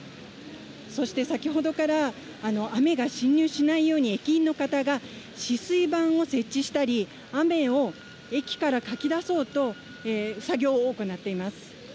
そして先ほどから雨が侵入しないように、駅員の方が止水板を設置したり、雨を駅からかき出そうと、作業を行っています。